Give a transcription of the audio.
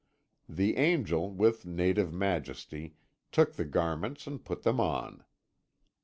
The Angel, with native majesty, took the garments and put them on.